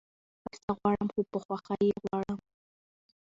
هر څه غواړم خو په خوښی يي غواړم